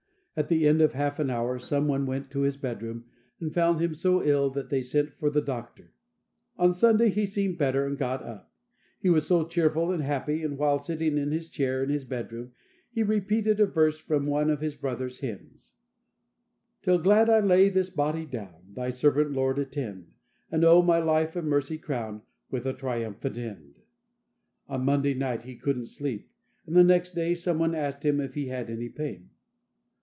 At the end of half an hour, some one went to his bedroom, and found him so ill that they sent for the doctor. On Sunday he seemed better, and got up. He was so cheerful and happy; and while sitting in his chair in his bedroom, he repeated a verse from one of his brother's hymns: "Till glad I lay this body down, Thy servant, Lord, attend; And oh! my life of mercy crown With a triumphant end!" On Monday night he couldn't sleep, and the next day, some one asked him if he had any pain.